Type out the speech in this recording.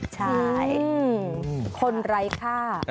ใช่คนไร้ค่า